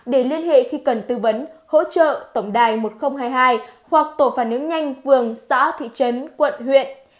để liên hệ khi cần tư vấn hỗ trợ tổng đài một nghìn hai mươi hai hoặc tổ phản ứng nhanh phường xã thị trấn quận huyện